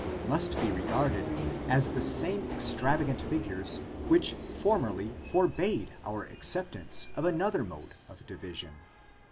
must be regarded as the same extravagant figures, which formerly forbade our acceptance of another mode of division.